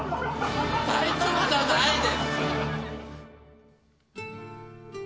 大丈夫じゃないです。